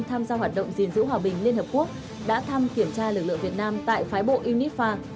tham gia hoạt động gìn giữ hòa bình liên hợp quốc đã thăm kiểm tra lực lượng việt nam tại phái bộ unifa